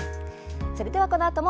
それでは、このあとも